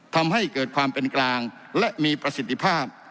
ทำให้เกิดความเป็นกลางและมีประสิทธิภาพ